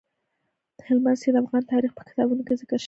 هلمند سیند د افغان تاریخ په کتابونو کې ذکر شوی دی.